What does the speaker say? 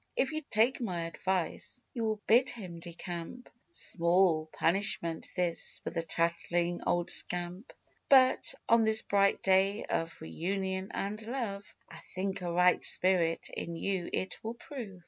If you take my advice, you will hid him decamp ; Small punishment this for the tattling old scamp ; But, on this bright day of reunion and love, I think a right spirit in you it would prove."